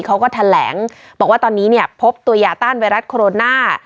เขาก็แถลงบอกว่าตอนนี้เนี่ยพบตัวยาต้านไวรัสโคโรนา